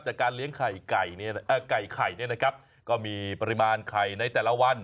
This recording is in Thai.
การเลี้ยงไข่ไก่ไข่เนี่ยนะครับก็มีปริมาณไข่ในแต่ละวัน